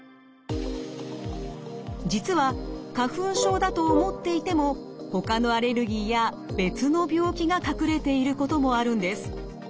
実は花粉症だと思っていても他のアレルギーや別の病気が隠れていることもあるんです。